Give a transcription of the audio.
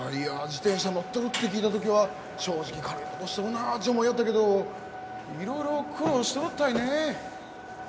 自転車乗っとるって聞いたときは正直軽いことしとるなち思いよったけど色々苦労しとるったいね。